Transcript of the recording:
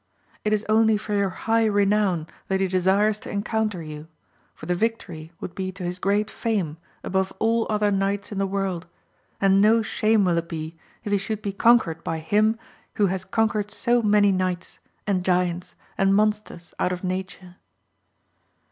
It is only for your high renown that he desires to encounter you ; for the victory would be to his great fame above all other knights in the world, and no shame will it be if he should be conquered by him who has con quered so many knights, and giants, and monsters out of nature.